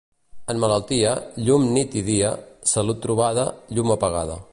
En malaltia, llum nit i dia; salut trobada, llum apagada.